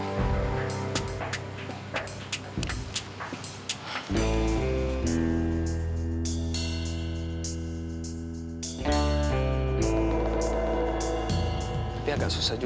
gak ada yang mau nanya